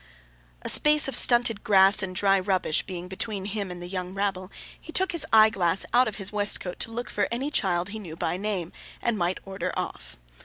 A space of stunted grass and dry rubbish being between him and the young rabble, he took his eyeglass out of his waistcoat to look for any child he knew by name, and might order off.